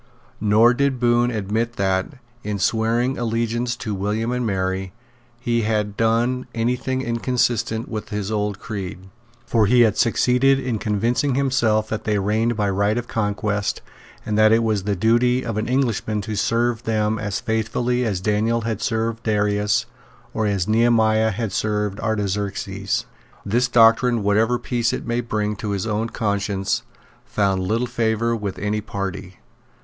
Nor did Bohun admit that, in swearing allegiance to William and Mary, he had done any thing inconsistent with his old creed. For he had succeeded in convincing himself that they reigned by right of conquest, and that it was the duty of an Englishman to serve them as faithfully as Daniel had served Darius or as Nehemiah had served Artaxerxes. This doctrine, whatever peace it might bring to his own conscience, found little favour with any party.